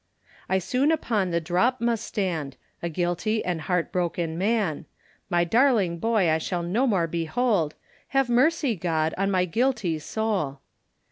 I soon upon the drop must stand, A guilty and heart broken man; My darling boy I shall no more behold, Have mercy, God, on my guilty soul!